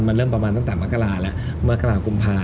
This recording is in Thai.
มันเริ่มประมาณตั้งแต่มกราแล้วมกรากุมภา